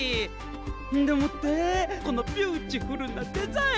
んでもってこのビューティフルなデザイン！